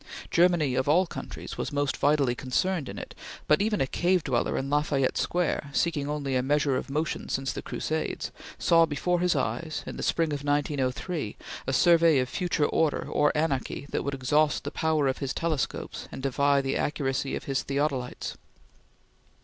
Germany, of all countries, was most vitally concerned in it; but even a cave dweller in La Fayette Square, seeking only a measure of motion since the Crusades, saw before his eyes, in the spring of 1903, a survey of future order or anarchy that would exhaust the power of his telescopes and defy the accuracy of his theodolites.